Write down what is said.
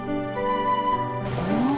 aku mau dikasih kejutan oma